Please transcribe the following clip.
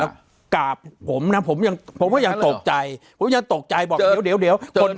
แล้วกราบผมนะผมก็ยังตกใจผมยังตกใจ